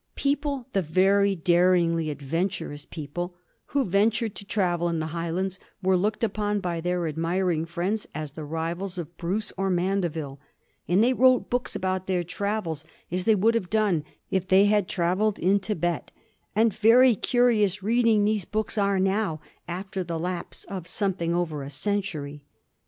People — ^the few daringly adventurous people — who ventured to travel in the Highlands were looked upon by their admir ing friends as the rivals of Bruce or Mandeville, and they wrote books about their travels as they would have done if they had travelled in Thibet; and very curious reading these books are now after the lapse of something over a century.